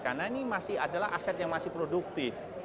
karena ini adalah aset yang masih produktif